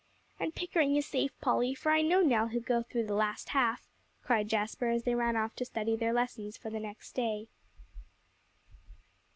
"And Pickering is safe, Polly, for I know now he'll go through the last half," cried Jasper as they ran off to study their lessons for the next day.